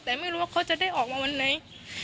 แต่ไม่รู้ว่าเขาจะได้ออกมาวันไหน